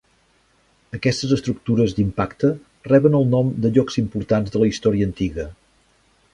Aquestes estructures d'impacte reben el nom de llocs importants de la història antiga.